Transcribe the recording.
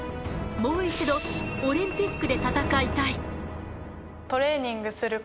もう一度オリンピックで戦いたい。